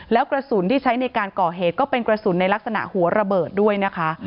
แล้วกระสุนที่ใช้ในการก่อเหตุก็เป็นกระสุนในลักษณะหัวระเบิดด้วยนะคะ